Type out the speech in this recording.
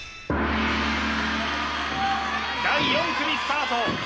第４組スタート